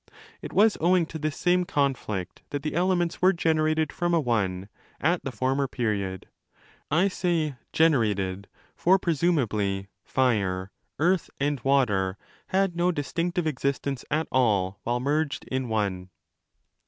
It was owing to this same conflict that the elements were generated from a One at the former period. I say 'generated', for presumably Fire, Earth, and Water had no distinctive existence at all while merged in one.